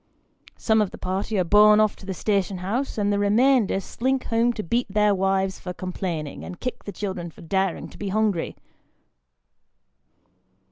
Some of the party are borne off to the station house, and the remainder slink home to beat their wives for complaining, and kick the children for daring to be hungry.